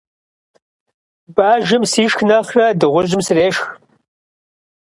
Бажэм сишх нэхърэ дыгъужьым срешх.